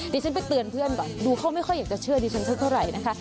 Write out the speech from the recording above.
ดิฉันไปเตือนเพื่อนก่อนดูเขาไม่ค่อยอยากจะเชื่อดิฉันสักเท่าไหร่นะคะ